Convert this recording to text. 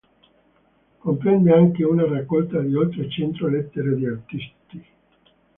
Comprende anche una raccolta di oltre cento lettere di artisti.